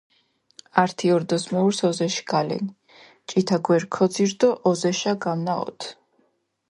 ართი ორდოს მეურს ოზეში გალენი, ჭითა გვერი ქოძირჷ დო ოზეშა გამნაჸოთჷ.